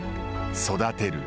育てる。